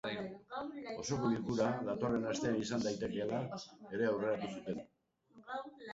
Osoko bilkura datorren astean izan daitekeela ere aurreratu zuten.